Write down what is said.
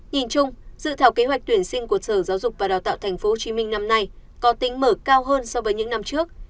nhìn chung dự thảo kế hoạch tuyển sinh của sở giáo dục và đào tạo tp hcm năm nay có tính mở cao hơn so với những năm trước